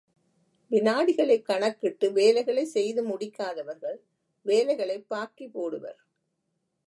விநாடிகளைக் கணக்கிட்டு வேலைகளைச் செய்து முடிக்காதவர்கள் வேலைகளைப் பாக்கி போடுவர்.